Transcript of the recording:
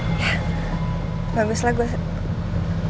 ya baguslah gue